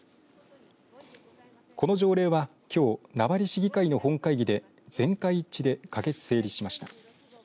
この条例は、きょう名張市議会の本会議で全会一致で可決、成立しました。